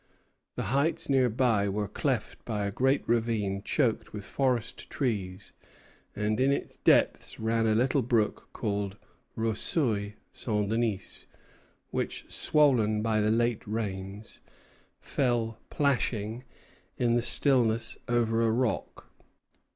The heights near by were cleft by a great ravine choked with forest trees; and in its depths ran a little brook called Ruisseau St. Denis, which, swollen by the late rains, fell plashing in the stillness over a rock.